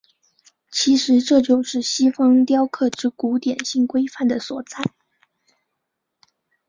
其实这就是西方雕刻之古典性规范的所在。